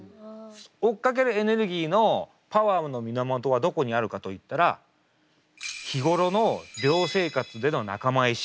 追っかけるエネルギーのパワーの源はどこにあるかといったら日頃の寮生活での仲間意識